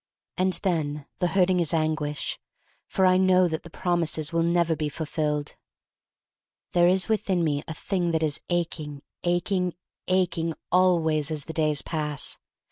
And then the hurting is anguish — for I know that the promises will never be fulfilled. There is within me a thing that is 157 f 158 THE STORY OF MARY MAC LANE aching, aching, aching always as the days pass.